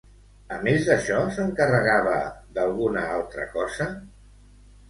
A més d'això, s'encarregava d'alguna altra cosa?